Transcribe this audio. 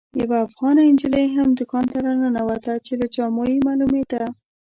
یوه افغانه نجلۍ هم دوکان ته راننوته چې له جامو یې معلومېده.